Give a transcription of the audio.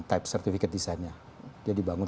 type certificate desainnya dia dibangun